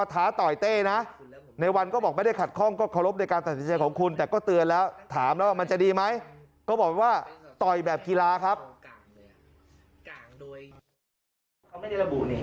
ต่อยเต้นะในวันก็บอกไม่ได้ขัดข้องก็เคารพในการตัดสินใจของคุณแต่ก็เตือนแล้วถามแล้วมันจะดีไหมก็บอกว่าต่อยแบบกีฬาครับ